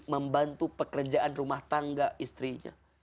membantu pekerjaan rumah tangga istrinya